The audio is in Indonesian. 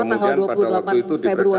tanggal dua puluh delapan februari